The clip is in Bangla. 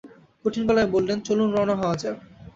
কঠিন গলায় বললেন, চলুন রওনা হওয়া যাক।